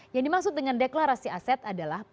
yang dimaksud dengan deklarasi aset adalah